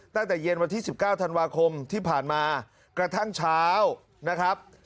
ตั้งแต่เย็นวันที่๑๙ธันวาคมที่ผ่านมากระทั่งเช้านะครับ